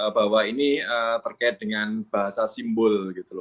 bahwa ini terkait dengan bahasa simbol